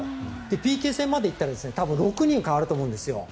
ＰＫ戦まで行ったら多分６人代わると思うんですよ。